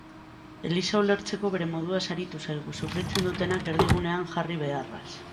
Eliza ulertzeko bere moduaz aritu zaigu, sufritzen dutenak erdigunean jarri beharraz.